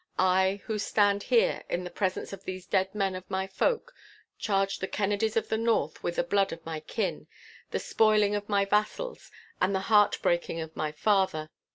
I who stand here, in the presence of these dead men of my folk, charge the Kennedies of the North with the blood of my kin, the spoiling of my vassals, and the heart breaking of my father.